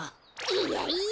いやいや！